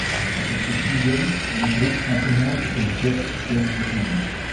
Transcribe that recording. Avec ce single, le groupe rend hommage aux boat-people vietnamiens.